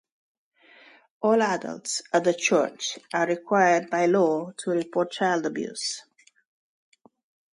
All adults at the church are required by law to report child abuse.